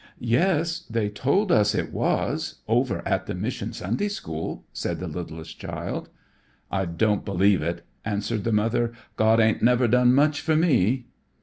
"Yes, they told us it was over at the mission Sunday school," said the littlest child. "I don't believe it," answered the mother. "God ain't never done much for me."